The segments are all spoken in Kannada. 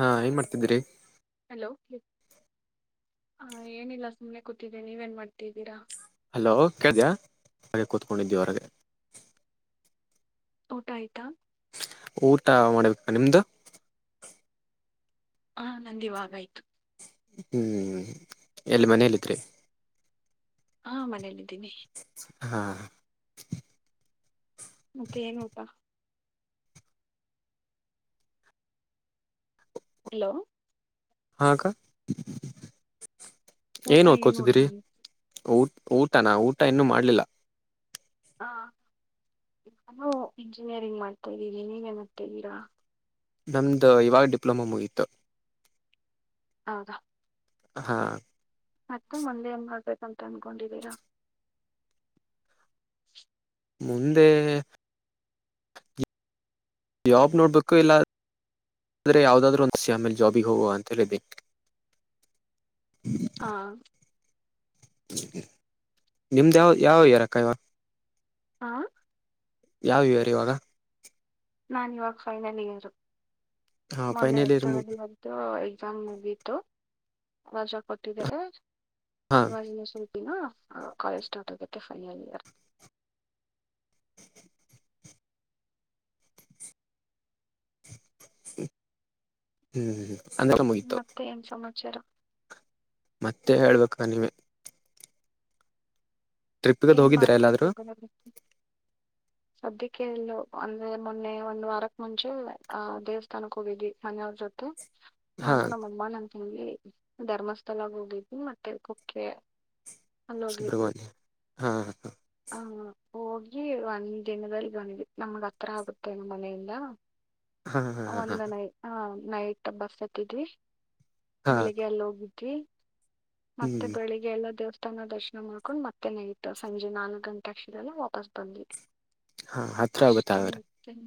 ಹಾ ಏನ್ ಮಾಡ್ತಿದ್ದೀರಿ ಹಲೋ ಹ ಏನಿಲ್ಲ ಸುಮ್ನೆ ಕೂತಿದ್ದ ನೀವೇನ್ ಮಾಡ್ತಿದ್ದೀರಾ. ಹಲೋ ಕೇಳಿದಯ ಹಾಗೆ ಕೂತ್ಕೊಂಡಿದ್ದೀ ಹೊರಗೆ ಊಟ ಆಯ್ತಾ. ಊಟ ಮಾಡಬೇಕಾ ನಿಮ್ದು ಹಾ ನಂದಿವಾಗ ಆಯ್ತು. ಹ್ಮ್ ಎಲ್ಲಿ ಮನೆಯಲ್ಲಿದ್ರಿ ಹಾ ಮನೇಲ್ಲಿದ್ದೀನಿ. ಹಾಂ ಮತ್ತೆ ಏನು ಇಲ್ಲ ಹಲೋ ಹಾಅಕ್ಕ ಊಟ ಏನ್ ಊಟ ಓದ್ಕೋತಿದ್ದೀರಿ ಊಟ್ ಊಟನಾ ಊಟ ಇನ್ನುೂ ಮಾಡ್ಲಿಲ್ಲ ಹ ನಾನು ಇಂಜಿನಿಯರಿಂಗ್ ಮಾಡ್ತಾ ಇದ್ದೀನಿ ನೀವೇನತಿದ್ದೀರಾ ನಮ್ದು ಇವಾಗ ಡಿಪ್ಲೊಮ ಮುಗಿತ ಹೌದಾ ಹಾ ಮತ್ತೆ ಮಂದೆ ಏನ್ ಮಾಡ್ಬೇಕಂತ ಅಂದಕೊಂಡಿದೀರಾ [inaudible] ಮುಂದೆ ಜಾಬ್ ನೋಡ್ಬೇಕು ಇಲ್ಲ ಆದ್ರೆ ಯಾವುದಾದ್ರೂ ಒಂದುಸ ಆಮೇಲೆ ಜಾಬಿಗೆ ಹೋಗುವ ಅಂತ ಹೇಳಿದ್ದೆ ಹಾ ನಿಮ್ದ ಯಾವ ಯಾವ ಇಯರ್ ಅಕ್ಕ ಹಾ ಯಾವ ಇಯರ್ ಇವಾಗ ನಾನ್ ಇವಾಗ ಫೈನಲ್ ಇಯರು ಹಾ ಮೊನ್ನೆ ಫೈನಲ್ ಇಯರ್ ಎತಗು ಮುಗ್ ಎಕ್ಸಾಮ್ ಮುಗಿತು ವರ್ಷ ಕೊಟ್ಟಿದ್ದಾರೆ ಹಾ ಈವಾಗ್ ಇಲ್ಲೇ ಸ್ವಲ್ಪ ಕಾಲೇಜ್ ಸ್ಟಾರ್ಟ್ ಆಗುತ್ತೆ ಫೈನಲ್ ಇಯರ್ ಹ್ಮ್್ಮ ಮತ್ತೆ ಎನ್ ಸಮಾಚಾರ ಮತ್ತೆ ಹೇಳ್ಬೇಕ ನೀವೇ ಟ್ರಿಪ್ಗದು ಏನ್ ಹೋಗಿದ್ದೀರಾ ಎಲ್ಲಾದ್ರೂ ಮಾಡ್ತಿರ್ಬೋದು ನ ಸದ್ಯಕ್ಕೆ ಇಲ್ಲೋ ಅಂದ್ರೆ ಮೊನ್ನೆ ಒಂದ್ ವಾರಕ್ ಮುಂಚೆ ಆ ದೇವಸ್ಥಾನಕ್ಕೆ ಹೋಗಿದ್ವಿ ಹ ಜೊತೆ ಹಾ ನಾನು ನಮ್ಮ ಅಮ್ಮಾನ ಅಂತ ಹೇಳಿ ಧರ್ಮಸ್ಥಳಗ್ ಹೋಗಿದ ಮತ್ತೆ ಕುಕ್ಕೆ ಅಲ್ಲೋಗ್ಲಿದ್ದು ಸುಬ್ರಹ್ಮಣ್ಯ ಹಾ ಹಾ ಹಾ ಹಾ ಹೋಗಿ ಒಂದ್ ದಿನದಲ್ಲಿ ಬಂದ ಬಿಟ್ ನಮ್ಗ ಹತ್ರ ಆಗುತ್ತೆ ಮನೆಯಿಂದ ಹಾ ಹಾ ಹಾ ಒಂದು ನೈ ಹಾ ನೈಟ್ ಬಸ್ ಹತ್ತಿದ್ವಿ. ಹಾ ಬೆಳಿಗ್ಗೆ ಎಲ್ಲ ಹೋಗಿದ್ವಿ ಮತ್ತೆ ಹ್ಮ್ ಬೆಳಿಗ್ಗೆ ಎಲ್ಲ ದೇವಸ್ಥ ತನ ದರ್ಶನ ಮಾಡ್ಕೊಂಡು ಮತ್ತೆ ನೈಟ್ ಸಂಜೆ ನಾಲ್ಕು ಗಂಟೆ ಅಕ್ಷಿರಲ್ಲ ವಾಪಸ್ ಬಂದವಿ ಹಾ ಹತ್ರ ಆಗುತ್ತ ಅಷ್ಟ ಹಾಗಾದ್ರೆ ನಿತ್ಯಮ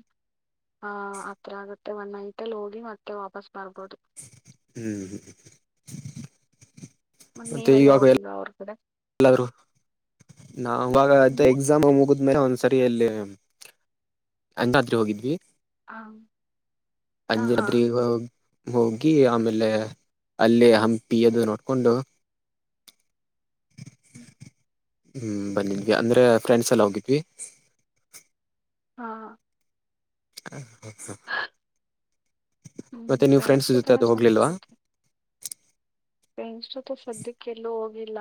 ಹಾ ಅತ್ರ ಆಗತ್ತೆ ಒಂದ್ ನೈಟಲ್ಲಿ ಹೋಗಿ ಮತ್ತೆ ವಾಪಸ್ ಬರ್ಬೋದು ಹ್ಮ್ ಹ್ಮ್ ಹ ಮೊನ್ನೆ ನೀವೆಲ್ಲ ಹೋಗಿಲ್ವಾ ಹೊರಗಡೆ ಕಡೆ ಎಲ್ಲರು ನಾವವಾಗ ಹ್ಮ್ ಎಕ್ಸಾಮ್ ಮುಗದು ್ಮೇಲೆ ಒಂದ್ಸರಿ ಎಲ್ಲಿ ಅಂದಾದ್ರಿ ಹೋಗಿದ್ವಿ ಹ ಹ ಅಂಜರು ಹಾ ದ್ರೀಗೋ ಹೋಗಿ ಹೋಗಿ ಆಮೇಲೆ ಅಲ್ಲೇ ಹಂಪಿ ಅದು ನೋಡ್ಕೊಂಡು ಹ್ಮ ಹ್ಮ್ ಬನ್ನ ನಿಮ್ಗೆ ಅಂದ್ರೆ ಫ್ರೆಂಡ್ಸ್ ಎಲ್ಲ ಹೋಗಿದ್ವಿ ಹಾ ಹ ಹ ಹ್ಮ್ ಮತ್ತೆ ನೀವು್ ಫ್ರೆಂಡ್ಸ್ ಜೊತೆ ಜೊತೆನ ಅದು ಹೋಗ್ಲಿಲ್ವಾ ೆಂಡ್ಸ್ೊ ಸದ್ಯಕ್ಕೆ ಎಲ್ಲೂ ಹೋಗಿಲ್ಲ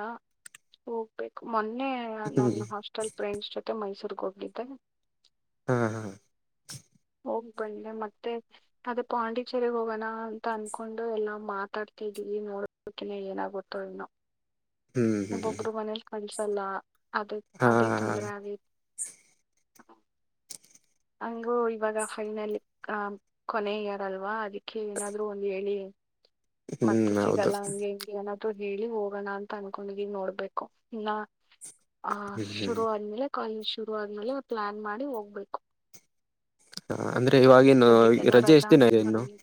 ಹೋಗ್ಬೇಕು ಮೊೆನ್ನೆ ಮೊನ್ನೆ ಹ್ಮ್ ನನ್ ಹಾಸ್ಟೆಲ್ ಫ್ರೇಂಡ್ಸ್ ಜೊತೆ ಮೈಸೂರ್ಗ್ ಹೋಗ್ಲಿದ್ದೆ ಹ್ಮ ಹಾ ಹೋಗ್ಬೆ ಮತ್ತೆ ಅದ ಪಾಂಡಿಚೆರಿಗ್ ಹೋಗೋಣ ಅಂತ ಅನ್ಕೊಂಡು ಎಲ್ಲಾ ಮಾತಾಡ್ತಿದೀವಿ ಈ ನೋಡ್ಬೇಕಿನ್ನ್ ಏನಾಗುತ್ತೋ ಎನ್ನೋ ಹ್ಮ್ ಹ್ಮ್ ಕಳ್ಸಲ್ಲ ಅದೇ ಹಾ ಅದೇ ತೊಂದ್ರೆ ಆಗಿದೆ ಹಂಗು ಇವಾಗ ಫೈನಲ್ಲಿ ಆ ಕೊನೆೆಇಯರಲ್ವಾ ಅದಿಕ್ಕೆ ಏನಾದ್ರು ಒಂದ್ ಹೇಳಿ ಮತ್ತೆ ಹ್ಮ್ ಹೌದು ಸಿಗಲ್ಲ ಹಂಗೆ ಹೆಂಗ ಏನ ಹೇಳಿ ಹೋಗೋಣ ಅಂತ ಅನ್ಕೊಂಡಿ ನೋಡ್ಬೇಕು ಇಲ್ಲ ಆಹ ಹ್ಮ್ ಹ್ಮ್ ಶುರು ಆದ್ಮೇಲೆ ಶುರು ಆದ್ಮೇಲೆ ಪ್ಲಾನ್ ಮಾಡಿ ಹೋಗ್ಬೇಕು ಹ ಅಂದ್ರೆ ಇವವಾಗಿನು ಸದ್ಯಕ್ಕೆಲ್ಲ ರಜೆ ರಜಾ ಅಂತ ಎಷ್ಟಿದಿನಾ ಇನ್ನು ನನಗೆ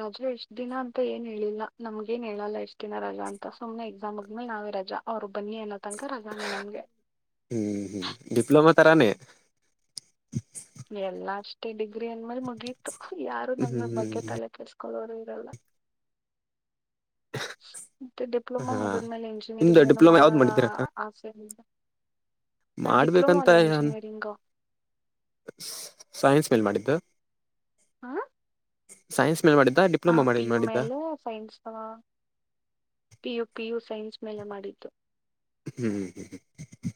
ರಜಾ ಎಷ್ಟ್ ದಿನ ಅಂತ ಏನ್ ಹೇಳಿಲ್ಲ ನಮ್ಗ ಏನ್ ಹೇಳಲ್ಲ ಎಷ್ಟ್ ದಿನ ರಜಾ ಅಂತ ಸುಮ್ನೆ ಎಕ್ಸಾಮ್ ಆದ್ಮೇಲೆ ನಾವೇ ರಜಾ ಅವ್ರು ಬನ್ನಿ [unintelligible] ನಮ್ಗೆ ಹ್ಮ್ ಹ್ಮ ಡಿಪ್ಲೋಮಾ ತರಾನೆ ಎಲ್ಲ ಅಷ್ಟೇ ಡಿಗ್ರಿ ಅಂದ್ಮೇಲೆ ಮುಗಿತ್ತು ಯಾರು ನಮ ಹ್ಮ್ ಬಗ್ಗೆ ತಲೆ ಕೆಳ್ಸ್ಕ ಕೊಳೋರು ಇರಲ್ಲ ಮತ್ತೆ ಡಿಪ್ಲೊಮಾ ಹಾ ಮುಗ್ದ್ಮೇಲೆ ಇಂಜಿನಿಯರಿಂಗ್ ನಿಮ್ದು ಏನು ಡಿಪ್ಲೊಮಾ ಮಾಡ ಯಾವ್ದ್ ಆಸೆ ಡಿಪ್ಲೊಮಾ ಅಲ್ಲ ಮಾಡ್ಬೇಕಂತನ್ ಇಂಜಿನಿಯರಿಂಗ್ ಸೈನ್ಸ್ ಮೇಲ್ ಮಾಡಿದ್ದ ಹಾ ಸೈನ್ಸ್ ಮೇಲ್ ಮಾಡಿದ್ದ ಡಿಪ್ಲೊಮಾ ಮಾಡಿ ಪಿಯು ಮಾಡಿದ್ದ ಮೇಲೆ ಸೈನ್ಸ ಹ ಪಿಯು ಪಿಯು ಸೈನ್ಸ್ ್ಮೇಲೆ ಮಾಡಿದ್ದು ಹ್ಮ್್ಮ ಹ್ಮ್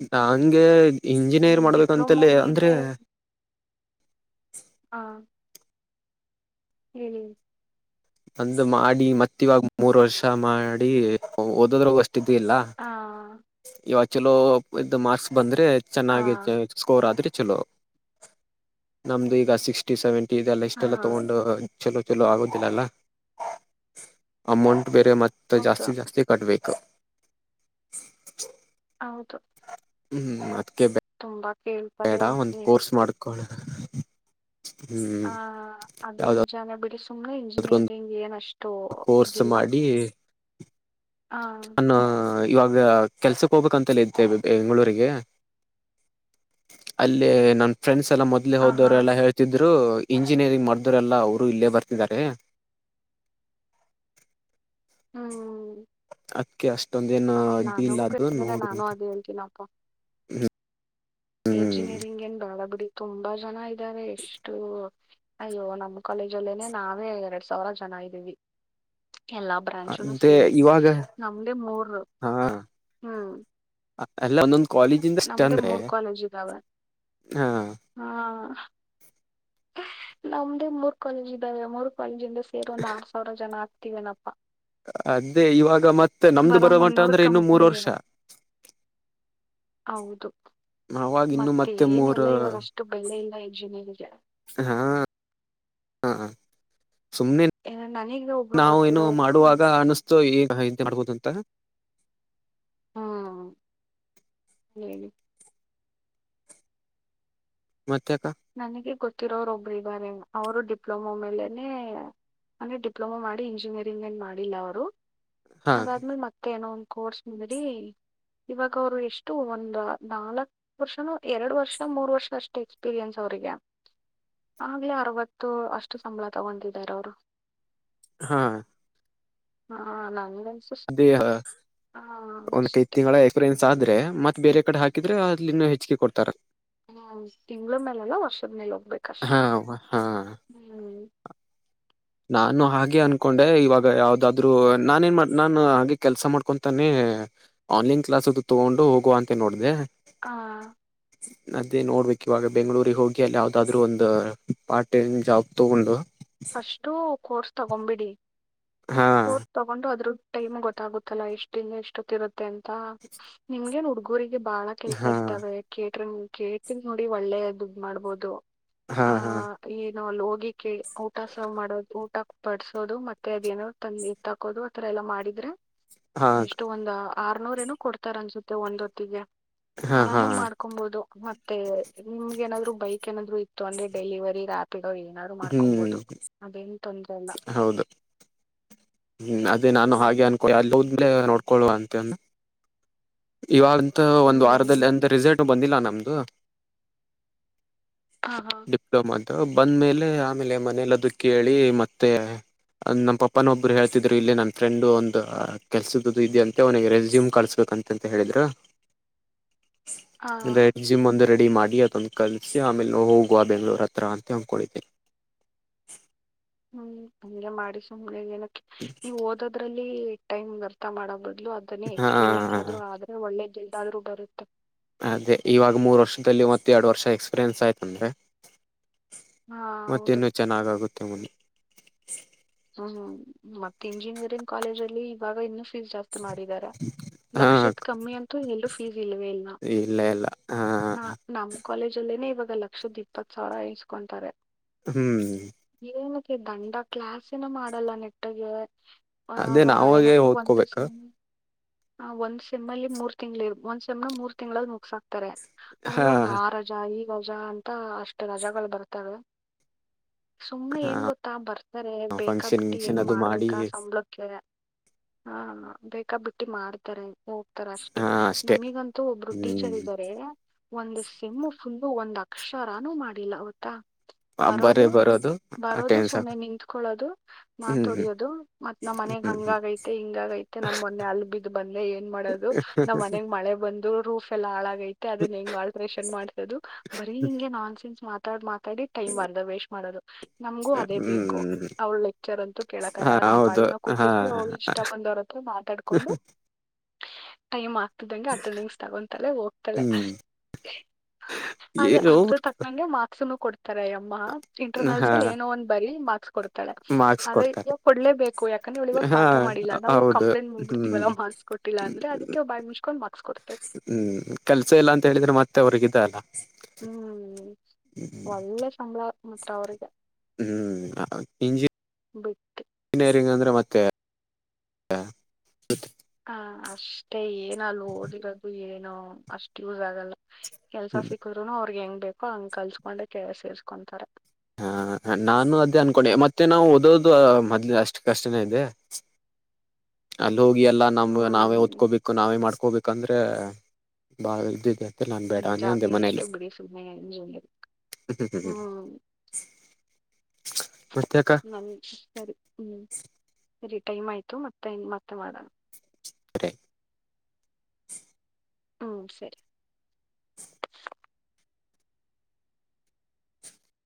ಹ್ಮ ನಂಗೆ ಇಂಜಿನಿಯರ್ ಡಿಪ್ಲೊಮಾ ಮಾಡ್ಬೇಕಂತಲ್ಲಿ ಅಂದ್ರೆ ಮೇಲೆ ಹಾ ಹೇಳಿ ಅಂದು ಮಾಡಿ ಮತ್ತ ಇವಾಗ ಮೂರ್ ವರ್ಷ ಮಾಡಿ ಓದದ್ರ ಹಾ ಇವಾಗ ಚಲೋ ಇದ ಮಾರ್ಕ್ಸ್ ಬಂದ್ರೆ ಚೆನ್ನಾಗಿ ಹ ಸ್ಕೋರ್ ಆದ್ರೆ ಚಲೋ ನಮ್ದು ಈಗ ಸಿಕ್ಸ್ಟಿ ಸೆವೆಂಟಿ ಇದೆಲ್ಲ ಹಾ ಇಷ್ಟೆಲ್ಲ ತಗೊಂಡು ಚಲೋ ಚಲೋ ಆಗದಿಲ್ಲಲ್ಲ ಅಮೌಂಟ್ ಬೇರೆ ಮತ್ತ ಹೌದು ಜಾಸ್ತಿ ಜಾಸ್ತಿ ಕಟ್ಬೇಕು ತ [inaudible] ಹೌದು ಹ್ಮ್ ತುಂಬಾ ಬೇಡ ಕೇಳ್ತಾರೆ ಒಂದ ಹ್ಮ್. ಕೋರ್ಸ್ ಮಾಡ್ಕೊಳ ಹ್ಮ್ ಹ ಅದು ನಿಜಾನ ಬಿಡಿ ಸುಮ್ನೆ ಯಾವ್ದಾದ್ರು ಇಂಜಿನಿಯರಿಂಗ್ ಏನ್ [unintelligible] ಕೋರ್ಸ್ ಇದಿಲ್ಲ ಮಾಡಿ ಹ ನನ್ನ ಇವಾಗ ಕೆಲ್ಸಕ್ಕೆ ಹೋಗ್ಬೇಕಂತಲ್ಲ ಇದ್ದೆ ಬೆಂಗಳೂರಿಗೆ ಅಲ್ಲೇ ನನ್ ಫ್ರೆಂಡ್ಸ್ ಎಲ್ಲ ಮೊದ್ಲೆೇ ಹ ಹಾ ಹೋದವರೆ ಎಲ್ಲಾ ಹೇಳ್ತಿದರು ಇಂಜಿನಿಯರಿಂಗ್ ಮಾಡ್ದರೆಲ್ಲ ಅವರು ಇಲ್ಲೇ ಬರ್ತಿದ್ದಾರೆ ಹ್ಮ್ ಅದಕ್ಕೆ ಅಷ್ಟೊಂದೇಏನ ಇದಲ್ಲ ನನಗೂ ಅದ್ರು ಕೇಳಿದ್ರೆ ನಾನು ನೋಡುಂತೆ ಅದೇ ಹ್ಮ ಎಂಜಿನಿಯರಿಂಗ್ ಏನ್ ಬಾಳ ತುಂಬಾ ಜನ ಇದ್ದಾರೆ ಎಷ್ಟು ಅಯ್ಯೋ ನಮ್ಮ್ ಕಾಲೇಜ್ ಅಲ್ಲೇನೆ ನಾವೇ ಎರಡ್ ಸಾವಿರಾ ಜನಾ ಇದೀವಿ ಎಲ್ಲಾ ಬ್ರಾಂಚನು ಅದೇ ಸೇರಿ ಇವಾಗ ನಮ್ದೇ ಮೂರ್ ಹ್ಮ್. ಎಲ್ಲಾ ಒಂದೊಂದು ಕಾಲೇಜಿಂದ ಇಷ್ಟ ನಮ್ದೇ ಅಂದ್ರೆ ಮೂರ್ ಕಾಲೇಜ್ ಇದಾವೆ ಹಾ ಹಾ ನಮ್ದೇ ಮೂರ್ ಕಾಲೇಜ್ ಇದ್ದಾವೆ ಮೂರ್ ಕಾಲೇಜಿಂದ ಸೇರ್ ಒಂದ್ ಆರ್ ಸಾವಿರ ಜನ ಆಗ್ತಿವ ನ್ ಅದೇ ಇವಾಗ ಮತ್ತೆ ನಮ್ದು ಬರ ಬರೋ ಮಟ ಮುನ್ನೂರು ಅಂದ್ರೆ ಇನ್ನು ಮೂರ್ ಕಂಪ್ನಿಗೆ ವರ್ಷಾ ಹೌದು ಅವಾಗ ಇನ್ನು ಮತ್ತೆ ಮೂರ್ ಏನೆಲ್ಲ ಇವಾಗ ಅಷ್ಟು ಬ ಇಲ್ಲ ಇಲ್ಲ ಇಂಜಿನಿಯರಿಗ ಹಾ ಹಾ ಸುಮ್ನೆ ನನಗ ಒಬ್ರು ನಾವ ಏನು ಗೊತ್ತಿರೋರು ಮಾಡುವಾಗ [unintelligible] ‌ಸೋ ಏನ್ಂತೆ ಮಾಡ್ಬೋದು ಅಂತ ಹ್ಮ ಹೇಳಿ ಮತ್ತೆಕ ನನಗೆ ಗೊತ್ತಿರೋರೊಬ್ರ ಇದಾರೇನು ಅವರು ಡಿಪ್ಲೊಮಾ ಮೇಲೇ ಅಂದರೆ ಡಿಪ್ಲೊಮೋ ಮಾಡಿ ಇಂಜಿನಿಯರಿಂಗ ಏನು ಮಾಡಿಲ್ಲ ಅವರು. ಹಾ ಅದಾದ್ಮೇಲೆ ಮತ್ತೆ ಏನೋ ಒಂದ ಕೋರ್ಸ್ ಮಾಡಿ ಇವಾಗ ಅವ್ರು ಎಷ್ಟು ಒಂದ ನಾಲ್ಕ್ ವರ್ಷನ ಎರಡು ವರ್ಷ ಮೂರ್ ವರ್ಷ ಅಷ್ಟೆ [unintelligible] ಆಗ್ಲೇ ಅರವತ್ತು ಅಷ್ಟ ಸಂಬಳ ತಗೊತಿದಿದ್ದಾರ ಅವರು ಹಾ ಹಾ ನಂದ ಅದೇ ಹ ಒಂದ ಕೈದು ತಿಂಗಳ ಎಗ ಆದ್ರೆ ಮತ್ ಬೇರೆ ಕಡೆ ಹಾಕಿದ್ರೆ ಅಲ್ಲಿನ್ನು ಹೆಚ್ಚಿಗೆ ಕೊಡ್ತಾರ ಹ್ಮ್ ತಿಂಗಳ ಮೇಲಲ್ಲ ವರ್ಷದ ಮೇಲೆ ಹೋಗ್ಬೇಕಷ್ಟೇ ಹಾ ಹಾ ಹ್ಮ್. ನಾನು ಹಾಗೆ ಅನ್ಕೊಂಡೆ ಇವಾಗ ಯಾವ್ದಾದ್ರು ನಾನ ನ್ ಮಾಡ ನಾನ ಹಾಗೆ ಕೆಲ್ಸ ಮಾಡ್ಕೊಂತಾನೆ ಆನ್ಲೈನ್ ಕ್ಲಾಸ್ ಅದು ತಗೊಂಡು ಹೋಗುವ ಅಂತೆ ನೋಡಿದೆೆ. ಹಾ ಅದೇ ನೋಡ್ಬೇಕು ಇವಾಗ ಬೆಂಗಳೂರು ಹೋಗಿ ಅಲ್ಲಿ ಯಾವ್ದಾದ್ರು ಒಂದು ಪಾರ್ಟ್ ಟೈಮ್ ಜಾಬ್ ತಗೊಂಡು ಫಸ್ಟು ಕೋರ್ಸ್ ತಗೊಂಬಿಡಿ ಹಾ ಕೋರ್ಟ್ ತಗೊಂಡು ಅದ್ರ ಟೈಮ್ ಗೊತ್ತಾಗುತ್ತಲ್ಲಾ ಎಷ್ಟ ದಿನ ಎಷ್ಟೊತ್ತಿರುತ್ತ ಅಂತ ನಿಮ್ಗೆನ್ ಹುಡುಗೂರಿಗೆ ಬಾಳ ಕೆಲ್ಸ ಹಾ ಇರ್ತಾವ ಕೇ ಕೇತಿದ್ ನೋಡಿ ಒಳ್ಳೆ ದುಡ್ಡು ಮಾಡ್ಬೋದು ಹಾ ಆ ಹಾ ನಾವ ಅಲ್ಲಿ ಹೋಗಿ ಕೇಳ ಊಟ ಸವ್ ಮಾಡೋದು ಊಟ ಬಡಸೋದು ಮತ್ತೆ ಅದ ನೋ ತಂದಿ ಎ ತಾಕೋದು ಆಥರ ಎಲ್ಲಾ ಮಾಡಿದ್ರೆ ಹಾ ಇಷ್ಟು ಒಂದ ಆರ ನೂರು ಏನ ಕೊಡ್ತಾರ ಅನ್ಸುತ್ತೆ ಒಂದ್ ಹೊತ್ತಿಗೆ ಹಾ ಹಾ ಆರಾಮಾಗ ಮಾಡ್ಕೊಬಹುದು ಮ ಮತ್ತೆ ನಿಮ್ಗೆ ಏನಾದ್ರು ಬೈಕ್ ಏನಾದ್ರು ಇತ್ತು ಅಂದ್ರೆ ಡೆಲಿವರಿ ರಾತ್ ಗ್ ಏನಾದ್ರು ಹ್ಮ್ ಮಾಡ್ಕೊಬಹದು ಅದೇನ್ ಹೌದು ಹ್ಮ್ ಅದೇ ನಾನು ಹಾಗೆ ಹ್ಮ್ ಅನ್ಕೋ ನೋಡ್ಕೊಳ್ಳುವ ಅಂತನ್ನ್ ಇವಾಗಂತ ಒಂದು ವಾರದಲ್ಲಿ ಹ್ಮ್ ಅಂತ ರಿಸಲ್ಟ್ ಬಂದಿಲ್ಲ ನಮ್ದು ಹಾ ಹಾ ಡಿಪ್ಲೊಮದು ಬಂದ್ಮೇಲೆ ಆಮೇಲೆ ಮನೇಲ್ಲದು ಕೇಳಿ ಮತ್ತೆ ನಮ್ಮ ಪಪ್ಪನ ಒಬ್ಬರು ಹೇಳ್ತಿದ್ರು ಇಲ್ಲಿ ನನ್ ಫ್ರೆಂಡ್ ಒಂದು ಕೆಲ್ಸದ್ದು ಇದದೆ ಅಂತೆ ಅವನಿಗೆ ರೆಸ್ಯೂಂ ಕಳಿಸಸ್ಬೇಕಂತೆ ತಂತ ಹೇಳಿದ್ರಾ ಹಾ ರೇಜಿಮ್ ಒಂದ ರೆಡಿ ಮಾಡಿ ಅದೊಂದು ಕಲಸ ಆಮೇಲೆ ನ ಹೋಗುವ ಬೆಂಗ್ಳೂರ್ ಹತ್ರ ಅಂತ ಅಂದ್ಕೊಂಡಿದ್ದೀ [unintelligible] ಹ್ಮ್ ಹಂಗೆ ಮಾಡಿ ಸುಮ್ ಏನ ನೀವು ಓದೋದ್ರಲ್ಲಿ ಟೈಮ್ ವ್ಯರ್ಥ ಮಾಡಬ ಇಲ್ಲ ಅದನ್ನೇ ಹಾ ಎಕ್ಸ್ಪೀರಿಯೆನ್ಸ್ ಆದ್ರರು ಆದ್ರೆ ಒಳ್ಳೇ ದುಡ್ಡು ಆದ್ರರು ಬರುತ್ತೆ ಅದೇ ಇವಾಗ ಮೂರು ವರ್ಷದಲ್ಲಿ ಮತ್ತು ಎರಡು ವರ್ಷ ಎಕ್ಸ್ಪೀರಿಯೆನ್ಸ್ ಆಯ್ತಂದ್ರೆ ಹಾ ಮತ್ತ ಹೌದು ಇನ್ನುೂ ಚೆನ್ನಾಗಾತ್ತೆ ಮುಂದೆ ಹ್ಮ್ ಮತ್ತೆ ಇಂಜಿನಿಯರಿಂಗ್ ಕಾಲೇಜ್ ಅಲ್ಲಿ ಇವಾಗ ಇನ್ನು [unintelligible] ಮಾಡಿದಾರಾ ಹಾ ಲಕ್ಷ ಕಮ್ಮಿ ಅಂತ ಎ ಇಲ್ವೆ ಇಲ್ಲ ಇಲ್ಲ ಹ ನಾ ನಮಗ್ ಕಾಲೇಜ ಅಲ್ಲೇನೆ ಇವಾಗ ಲಕ್ಷದ್ ಇಪ್ಪತ್ ಸಾವಿರ ಇಸ್ಕೊಂತಾರೆ. ಹ್ಮ್ ಏನಕ್ಕೆ ದಂಡ ಕ್ಲಾಸ್ ನು ಮಾಡಲ್ಲ ನೆಟ್ಟಗೆ. ಹ ಅದೇ ವಾ ನಾವಾಗೆ ಏನಪ್ಪ ಒಂದು ಓದ್ಕೋಬೇಕ ಸಿ ಹ ಒಂದ್ ಸೇಮ್ ಅಲ್ಲಿ ಮೂರ್ ತಿಂಗ್ಳ ಇ ಒಂದ್ ಸೆಮ್ನ ಮೂರ್ ತಿಂಗಳಲ್ಲಿ ಮುಗಸಾಕ್ತಾರೆ. ಅದ್ರಲ್ಲ ಹಾ ಒಂದ ಆ ರಜಾ ಈ ರಜಾ ಅಂತ ಅಷ್ಟ ರಜಗಳ ಬರ್ತಾವೆ. ಸುಮ್ನೆ ಏನ್ ಗೊತ್ತಾ ಬರ್ತಾರೆ ಫಂಕ್ಷನ್ ಬೇಕಾಬಿಟ್ಟಿ ಗಿಂಕ್ಷನ್ ಏನೊ ಅದು ಮಾಡಿ ಮಾಡ್ಬೇಕ ಸಂಬಳಕ್ಕೆ. ಹಾ ಬೇಕಾ ಬಿಟ್ಟಿ ಮಾಡ್ತಾರೆ ತರ ಅಷ್ಟೇ ಹಾ ಅಷ್ಟೇ ನಮಿಗಂತೂ ಒಬ್ರು ಟೀಚರ್ ಹ್ಮ್ ಇದ್ದಾರೆ. ಒಂದು ಸೇಮ್ಮು ಫುಲ್ಲು ಒಂದ್ ಅಕ್ಷರಾನು ಮಾಡಿಲ್ಲ ಗೊತ್ತಾ. ಹಬ್ಬರೇ ಬರೋದು ಬರೋದು ಅಟೆಂಡ್ ಸುಮ್ಮನೆ ಸಾಕು ನಿಂಕೊಳ್ಳೋದು ಮಾತ ಹ್ಮ್ ಹೊಡಿಯೋದು ಮತ್ ನ ಮನೆಗ್ ಹಂಗ ಹ್ಮ್ ಆಗೈತೆ ಹಿಂಗ ಆಗೈತೆ ನನ್ ಮೊನ್ನೆ ಅಲ್ ಬಿದ್ದು ಬಂದ್ರೆ ಏನ್ ಮಾಡದು ನಮ್ ಮನೆಗೆ ಮಳೆ ಬಂದು ರೂಫ್ ಎಲ್ಲಾ ಹಾಳಾಗೈತೆ ಅದನ್ನ ಹೆಂಗ್ ಆಲ್ಟ್ರೇಷನ್ ಮಾಡ್ತ ದು ಬರಿ ಹಿಂಗೆ ನಾನ್ ಸೆನ್ಸ್ ಮಾತಾಡ್ ಮಾತಾಡಿ ಟೈಮ್ ಅರದ ವೇಸ್ಟ್ ಮಾಡೋದು. ನಮ್ಗೂ ಅದೇ ಬೇಕು ಹ್ಮ್ ಅವ್ಳ ಲೆಕ್ಚರ್ ಅಂತೂ ಹಾ ಕೇಳಕಾಗಲ್ಲ ನಮ್ ಹೌದು ಪಾಡಿಗ್ ನಾವ್ ಹಾ ಕೂತಿರ್ತಿವಿ ಅವ್ಳ ಇಷ್ಟ ಬಂದ ಉಳದೋರ್ ಹತ್ರ ಮಾತಾಡ್ಕೊಂಡು. ಟೈಮ್ ಆಗ್ತಿದ್ದಂಗೆ ಅಟೆಂಡೆನ್ಸ್ ತಗೊತಳೆ ಹೋಗ್ತಾಳೆ. ಹ್ಮ್ ಅದ ಏನು ಅದ್ರ ತಕ್ಕನಂಗೆ ಮ್ಯಾಕ್ಸುನು ತೆರೆ ಎಮ್ಮಾ ಇಂಟರ್ನಲ್ಸ್ ಹಾ ಅಲ್ಲಿ ಏನೋ ಒಂದ್ ಬರಿ ಮಾರ್ಕ್ಸ್ ಕೊಡ್ತಾಳೆ ಮಾರ್ಕ್ಸ್ ಆದ್ರೆ ಕೊಡ್ತಾರೆ ಇದ್ರಲ್ಲಿ ಕೊಡ್ಲೇಬೇಕು ಯಾಕ ಯಾಕಂದ್ರೆ ಇವಳ್ ಇವಾಗ ಹಾ ಪಾಠ ಮಾಡಿಲ್ಲ ನಾವು ಹೌದು ಕಂಪ್ಲೇಟ್ ಮು ಹ್ಮ್ ಬಿಡ್ತಿವಲ್ಲ ಮಾಡಸ್ಕೊಟ್ಟಿಲ್ಲ ಅಂದ್ರೆ ಅದೀಕ್ಕೆ ಬಾಯಿ ಮುಚ್ಕೊಂಡ್ ಮಾರ್ಕ್ಸ್ ಕೊಡ್ತಾರೆ ಹ್ಮ್ ಕೆಲ್ಸ ಇಲ್ಲ ಅಂತ ಹೇಳಿದ್ರೆ ಮತ್ತೆ ಅವರೀಗ್ ಇದ ಅಲ್ಲ. ಹ್ಮ್ ಒಳ್ಳೆ ಸಂಬಳ ಮಾತ್ರ ಅವ್ರಿಗೆ. ಹ್ಮ್ ಇ ಬಿಟ್ಟು. ಮತ್ತೆ ಹ್ ಹ ಅಷ್ಟೇ ಏನ ಅಲ್ಲಿ ಓದೀರೋದು ಏನೋ ಅಷ್ಟ ಯೂಸ್ ಆಗಲ್ಲ. ಕೆಲ್ಸ ಸಿಕ್ಕುದ್ರುನು ಅವ್ರಗ್ ಹೆಂಗ್ ಬೇಕೋ ಹಂಗ ಕಲ್ಸ್ಕೊಂಡೆ ಕೆ ಸೇಸ್ಕೊಂತಾರೆ. ಹ್ ನಾನು ಅದೇ ಅನ್ಕೊಂಡೆ ಮತ್ತೆ ನಾವು ಓದೋದು ಮೊದ್ಲ ಅಷ್ಟ ಅಷ್ಟನೇ ಇದೆ. ಅಲ್ ಹೋಗಿ ಎಲ್ಲ ನಮ್ ಹ್ಮ್ ನಾವೇ ಓದ್ಕೋಬೇಕು ನಾವೇ ಮಾಡ್ಕೋಬೇಕಂದ್ರೆ ಬಾಳ ಇದ್ದಿದೆ. ತಿಲ್ ನಾನ್ ಬೇಡಾ ನಿಜ ಅಂದೆ ಅಂದೆ ವೇಸ್ಟ್ ಮನೆಲ್ಲಿ ಬಿಡಿ ಸುಮ್ನೆ ಇಂಜಿನಿಯರ್ ಹ ಹ ಹ. ಮತ್ತ್ಯಾಕ ನಮ್ ಸರಿ ಹ್ಮ್. ಸರಿ ಟೈಮ್ ಆಯ್ತು ಮತ್ತೆ ಮತ್ತೆ ಮಾಡಣ. ತ್ರೆ ಹ್ಮ್ ಸರಿ.